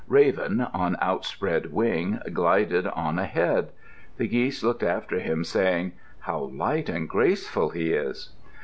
Raven, on outspread wing, glided on ahead. The geese looked after him, saying, "How light and graceful he is!"